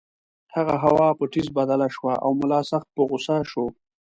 هغه هوا په ټیز بدله شوه او ملا سخت په غُصه شو.